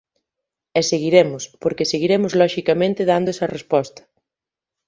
E seguiremos, porque seguiremos loxicamente dando esa resposta.